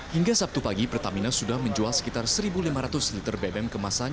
hingga sabtu pagi pertamina sudah menjual sekitar satu lima ratus liter bbm kemasan